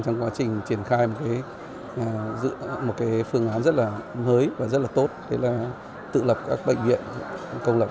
trong quá trình triển khai một phương án rất là mới và rất là tốt đấy là tự lập các bệnh viện công lập